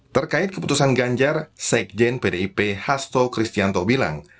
terkait keputusan ganjar sekjen pdip hasto kristianto bilang